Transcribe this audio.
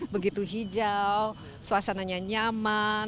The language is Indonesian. begitu hijau suasananya nyaman